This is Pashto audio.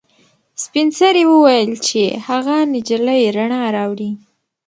سپین سرې وویل چې هغه نجلۍ رڼا راوړي.